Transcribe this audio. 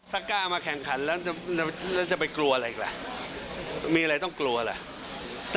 ถ้ากล้ามาแข่งขันแล้วจะไปกลัวอะไรอีกล่ะมีอะไรต้องกลัวล่ะ